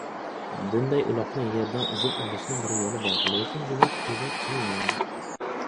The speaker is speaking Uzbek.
Bunday uloqni yerdan uzib olishning bir yo‘li bor. Lekin juda-juda qiyin...